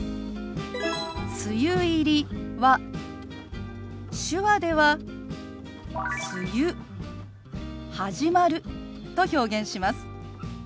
「梅雨入り」は手話では「梅雨始まる」と表現します。